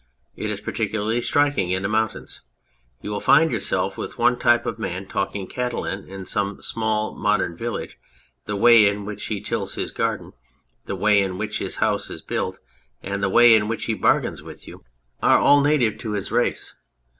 It is particularly striking in the mountains. You will find yourself with one type of man talking Catalan in some small modern village ; the way in which he tills his garden, the way in which his house is built, and the way in which he bargains with you, are all 229 On Anything native to his race.